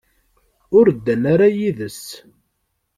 Ur ddan ara yid-s.